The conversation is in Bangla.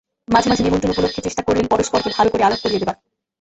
মাঝে মাঝে নিমন্ত্রণ উপলক্ষে চেষ্টা করলেন পরস্পরকে ভালো করে আলাপ করিয়ে দেবার।